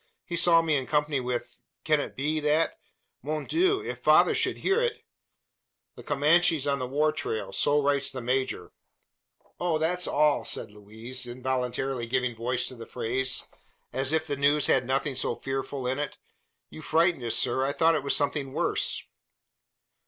He saw me in company with Can it be that? Mon Dieu! if father should hear it " "`The Comanches on the war trail' so writes the major." "Oh, that's all!" said Louise, involuntarily giving voice to the phrase, as if the news had nothing so very fearful in it. "You frightened us, sir. I thought it was something worse."